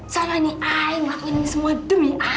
salah ini i ngelakuin ini semua demi i